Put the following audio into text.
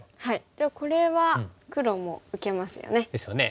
じゃあこれは黒も受けますよね。ですよね。